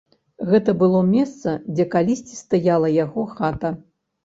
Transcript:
Гэта было месца, дзе калісьці стаяла яго хата.